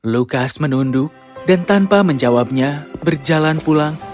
lukas menunduk dan tanpa menjawabnya berjalan pulang